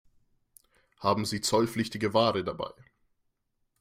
Haben Sie zollpflichtige Ware dabei?